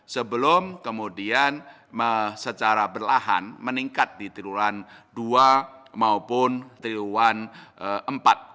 sebelum kemudian secara berlahan meningkat di triwulan dua maupun triwulan empat